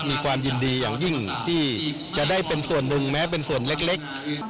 มีความยินดีอย่างยิ่งที่จะได้เป็นส่วนหนึ่งแม้เป็นส่วนเล็ก